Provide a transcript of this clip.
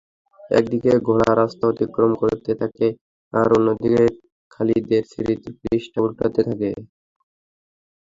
একদিকে ঘোড়া রাস্তা অতিক্রম করতে থাকে আর অন্যদিকে খালিদের স্মৃতির পৃষ্ঠা উল্টাতে থাকে।